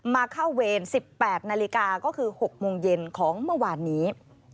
มาเข้าเวร๑๘นาฬิกาก็คือ๖โมงเย็นของเมื่อวานนี้